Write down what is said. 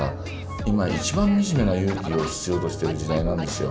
今一番惨めな勇気を必要としてる時代なんですよ。